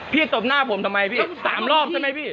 ตบหน้าผมทำไมพี่๓รอบใช่ไหมพี่